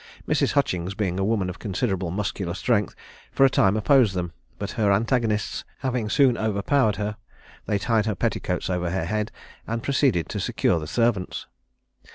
Mrs. Hutchings, being a woman of considerable muscular strength, for a time opposed them; but her antagonists having soon overpowered her, they tied her petticoats over her head, and proceeded to secure the servants.